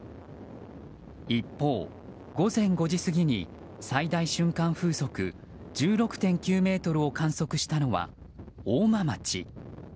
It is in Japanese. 一方、午前５時過ぎに最大瞬間風速１６．９メートルを観測したのは大間町。